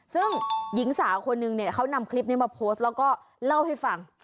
ซึ่งหญิงสาวคนนึงเนี่ยเขานำคลิปนี้มาโพสต์แล้วก็เล่าให้ฟัง